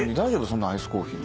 そんなアイスコーヒー。